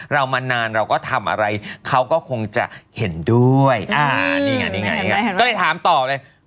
เรามานานเราก็ทำอะไรเขาก็คงจะเห็นด้วยอ่านี่ไงนี่ไงก็เลยถามต่อเลย